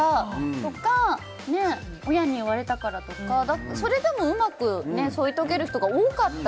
それとか親に言われたからとかそれでも、うまく添い遂げる人が多かった。